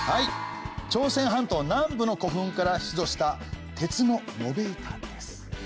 朝鮮半島南部の古墳から出土した鉄の延べ板です。